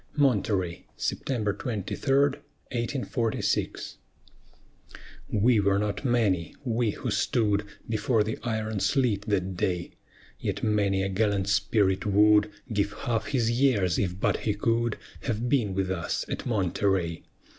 MONTEREY [September 23, 1846] We were not many, we who stood Before the iron sleet that day: Yet many a gallant spirit would Give half his years if but he could Have been with us at Monterey.